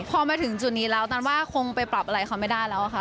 พอมาถึงจุดนี้แล้วตันว่าคงไปปรับอะไรเขาไม่ได้แล้วค่ะ